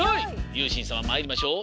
ゆうしんさままいりましょう。